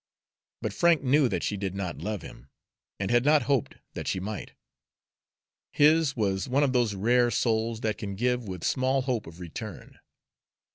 But Frank knew that she did not love him, and had not hoped that she might. His was one of those rare souls that can give with small hope of return.